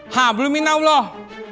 ha belum minas allah